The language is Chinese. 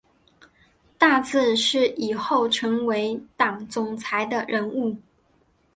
大字是以后成为党总裁的人物